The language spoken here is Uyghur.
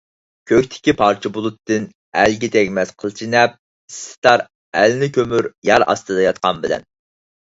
كۆكتىكى پارچە بۇلۇتتىن ئەلگە تەگمەس قىلچە نەپ، ئىسسىتار ئەلنى كۆمۈر يەر ئاستىدا ياتقان بىلەن.